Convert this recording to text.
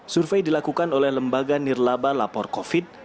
survei dilakukan oleh lembaga nirlaba lapor covid